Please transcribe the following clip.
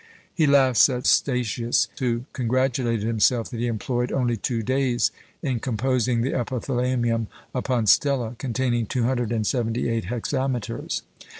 He laughs at Statius, who congratulated himself that he employed only two days in composing the epithalamium upon Stella, containing two hundred and seventy eight hexameters.